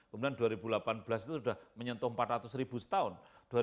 kemudian dua ribu delapan belas itu sudah menyentuh empat ratus ribu setahun